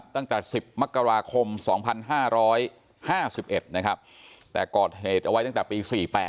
ตั้งแต่๑๐มกราคม๒๕๕๑นะครับแต่ก่อเหตุเอาไว้ตั้งแต่ปี๔๘